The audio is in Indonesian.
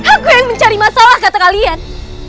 aku yang mencari masalah kata kalian